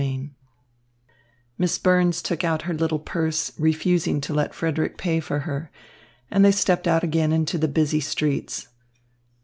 XIV Miss Burns took out her little purse, refusing to let Frederick pay for her, and they stepped out again into the busy streets.